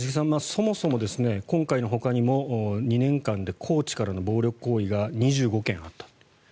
そもそも今回のほかにも２年間でコーチからの暴力行為が２５件あったと。